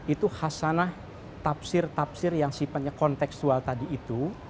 itu hasanah tafsir tafsir yang sifatnya konteksual tadi itu